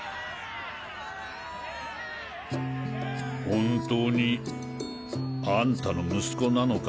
本当にあんたの息子なのか？